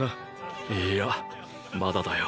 いいやまだだよ。